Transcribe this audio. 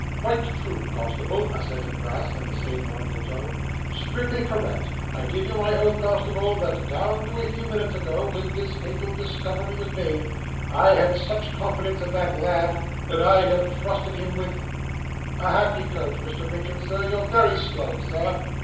'Quite true, constable,' assented Brass in the same mournful tone. 'Strictly correct. I give you my oath, constable, that down to a few minutes ago, when this fatal discovery was made, I had such confidence in that lad, that I'd have trusted him with a hackney coach, Mr Richard, sir; you're very slow, Sir.